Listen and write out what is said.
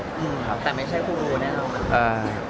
แต่ไม่ใช่กูได้รูมานตู